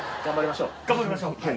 頑張りましょう。